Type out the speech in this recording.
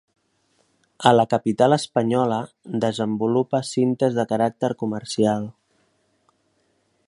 A la capital espanyola desenvolupa cintes de caràcter comercial.